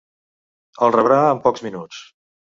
El rebrà en pocs minuts.